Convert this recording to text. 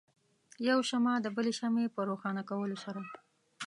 یو شمع د بلې شمعې په روښانه کولو سره.